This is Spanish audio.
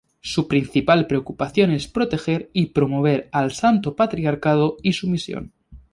Su principal preocupación es proteger y promover al Santo Patriarcado y su misión.